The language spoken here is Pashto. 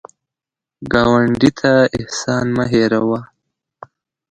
ګاونډي ته احسان مه هېر وهه